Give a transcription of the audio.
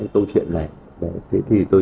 câu chuyện này thế thì tôi